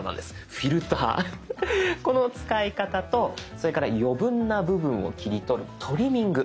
フィルターこの使い方とそれから余分な部分を切り取る「トリミング」。